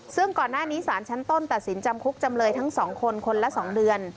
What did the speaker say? ซึ่งก่อนหน้านี้สารชั้นต้นตัดสินจำคุกจำเลยทั้ง๒คนคนละ๒เดือน